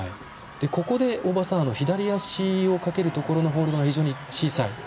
ここで、左足をかけるところのホールドが非常に小さい。